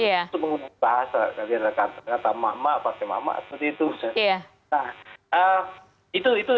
itu menggunakan bahasa kata mama pakai mama seperti itu